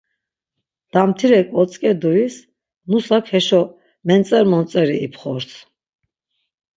Damtirek otzǩeduis nusak heşo mentzer montzeri ipxors.